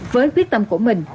với quyết tâm của mình